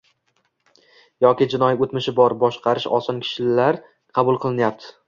yoki jinoiy o‘tmishi bor, boshqarish oson kishilar qabul qilinyapti.